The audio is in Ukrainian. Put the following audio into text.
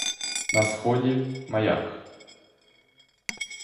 На сході — маяк.